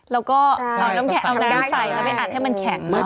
แล้วก็เอาน้ำแข็งเอาน้ำใส่แล้วไปอัดให้มันแข็ง